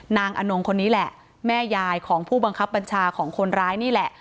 อนงคนนี้แหละแม่ยายของผู้บังคับบัญชาของคนร้ายนี่แหละ